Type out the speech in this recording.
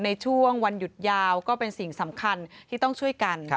ในช่วงวันหยุดยาวก็เป็นสิ่งสำคัญที่ต้องช่วยกัน